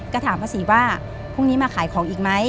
ก็ถามภาษีว่าพรุ่งนี้มาขายของอีกไหม